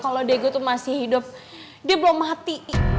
kalau diego tuh masih hidup dia belum hati